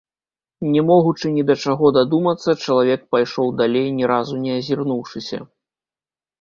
Не могучы ні да чаго дадумацца, чалавек пайшоў далей, ні разу не азірнуўшыся.